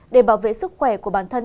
để bảo vệ sức khỏe của bản thân